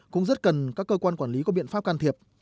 cũng rất cần các cơ quan quản lý có biện pháp can thiệp